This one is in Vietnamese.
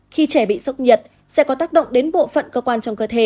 khi trẻ bị sốc nhiệt sẽ có tác động đến bộ phận cơ quan trong cơ thể